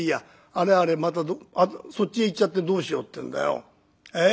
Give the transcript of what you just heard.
あれあれまたそっちへ行っちゃってどうしようっていうんだよええ？